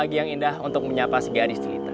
lagi yang indah untuk menyapa si gadis cerita